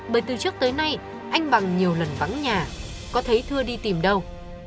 bởi từ trước tới nay anh bằng nhiều lần vắng nhà có thấy thưa đi tìm đâu